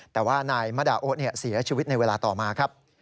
แต่ว่านายมะดาโอ๊เสียชีวิตในเวลาต่อมาครับ